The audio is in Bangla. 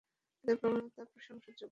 এই প্রবণতা প্রশংসাযোগ্য নয়।